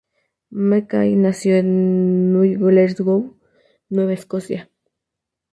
MacKay nació en New Glasgow, Nueva Escocia.